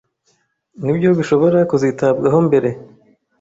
ni byo bishobora kuzitabwaho mbere.